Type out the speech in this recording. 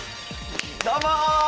どうも！